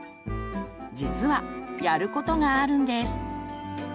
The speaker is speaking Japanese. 実はやることがあるんです。